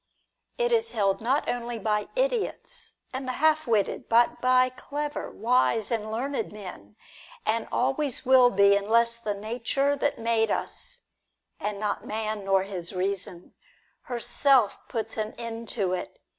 It is held not only by idiots and the half witted, but by clever, wise, and learned men, and always will be, unless the Nature that made us — and not man nor his reason — herself puts an end to it.